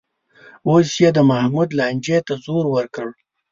اوس یې د محمود لانجې ته زور ورکړ